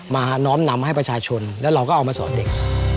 น้อมนำให้ประชาชนแล้วเราก็เอามาสอนเด็ก